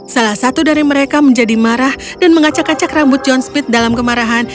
salah satu dari mereka menjadi marah dan mengacak acak rambut john speed dalam kemarahan